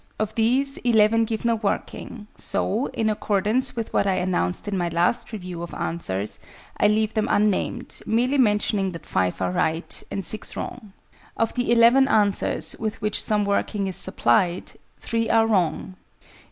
Of these 11 give no working; so, in accordance with what I announced in my last review of answers, I leave them unnamed, merely mentioning that 5 are right and 6 wrong. Of the eleven answers with which some working is supplied, 3 are wrong.